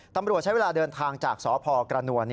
ตำรวจใช้เวลาเดินทางจากสพกระนวล